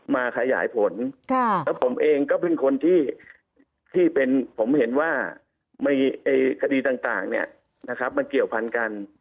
มาขยายผลและผมเองก็เป็นคนที่เป็นผมเห็นว่าคดีต่างมันเกี่ยวพันธุ์กัน